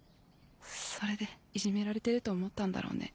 それでいじめられてると思ったんだろうね。